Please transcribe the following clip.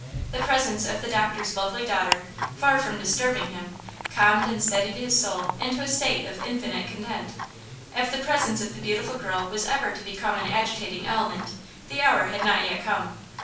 The presence of the doctor's lovely daughter, far from disturbing him, calmed and steadied his soul into a state of infinite content. If the presence of the beautiful girl was ever to become an agitating element, the hour had not yet come.